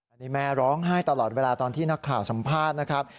อันนี้แม่ร้องไห้ตลอดเวลาตอนที่นักข่าวสัมภาษณ์นะครับ